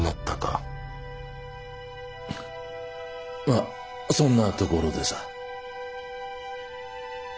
まあそんなところでさぁ。